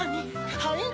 はい。